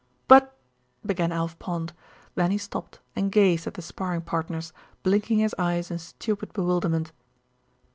"But " began Alf Pond; then he stopped and gazed at the sparring partners, blinking his eyes in stupid bewilderment.